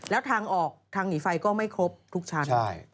แล้วทางออกทางหนีไฟก็ไม่ครบทุกชั้น